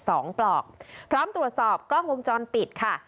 สองปลอกพร้อมตรวจสอบกล้องกุญจองปิดค่ะ